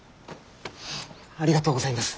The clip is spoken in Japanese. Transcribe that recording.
ありがとうございます！